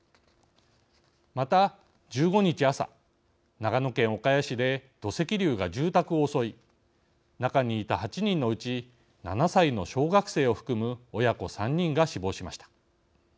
また、１５日朝長野県岡谷市で土石流が住宅を襲い中にいた８人のうち７歳の小学生を含む親子３人が死亡しました。